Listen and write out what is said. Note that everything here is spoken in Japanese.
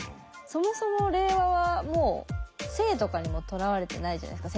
そもそも令和はもう性とかにもとらわれてないじゃないですか